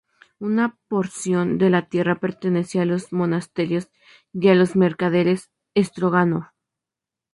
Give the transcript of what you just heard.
Una porción de la tierra pertenecía a los monasterios y a los mercaderes Stróganov.